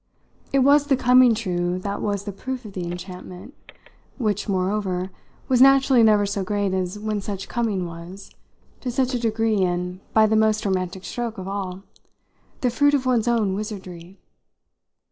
It was the coming true that was the proof of the enchantment, which, moreover, was naturally never so great as when such coming was, to such a degree and by the most romantic stroke of all, the fruit of one's own wizardry.